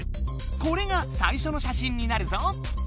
これがさいしょのしゃしんになるぞ。